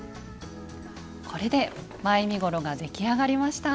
これで前身ごろが出来上がりました。